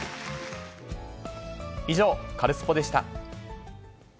以上、カルスポっ！でした。